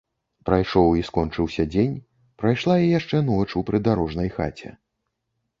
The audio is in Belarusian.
Прайшоў і скончыўся дзень, прайшла і яшчэ ноч у прыдарожнай хаце.